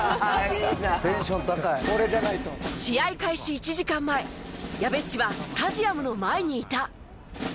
試合開始１時間前やべっちはスタジアムの前にいた。